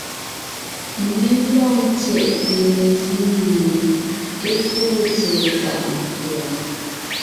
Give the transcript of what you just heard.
Mé lɔg ńtyɛʼte mezíŋ mie é fóo tsɛ̀ɛ tàʼ nkʉ̀a.